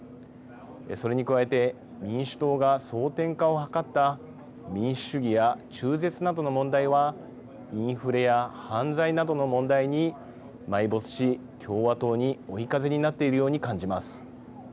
それに加えて民主党が争点化を図った民主主義や中絶などの問題はインフレや犯罪などの問題に埋没し共和党に追い風になっているように感じます。